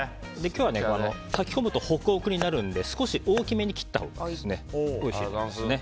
今日は炊き込むとホクホクになるので少し大きめに切ったほうがおいしいですね。